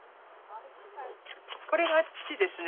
これが父ですね。